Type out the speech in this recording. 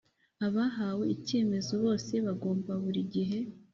Abahawe icyemezo bose bagomba buri gihe